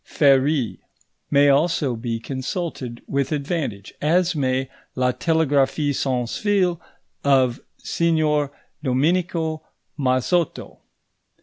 Ferrié may also be consulted with advantage, as may La Telegraphie sans fil of Signor Dominico Mazotto.